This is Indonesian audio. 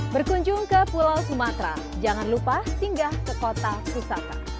berkunjung ke pulau sumatera jangan lupa singgah ke kota wisata